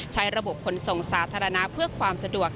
ใช้ระบบขนส่งสาธารณะเพื่อความสะดวก